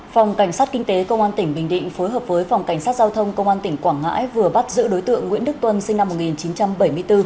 phòng cảnh sát kinh tế công an tỉnh bình định phối hợp với phòng cảnh sát giao thông công an tỉnh quảng ngãi vừa bắt giữ đối tượng nguyễn đức tuân sinh năm một nghìn chín trăm bảy mươi bốn